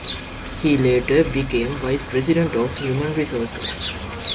He later became vice president of human resources.